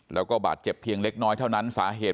แล้วก็บาดเจ็บเพียงเล็กน้อยเท่านั้นสาเหตุ